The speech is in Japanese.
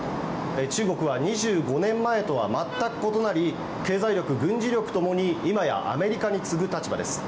中国は２５年前とは全く異なり経済力、軍事力ともに今やアメリカに次ぐ立場です。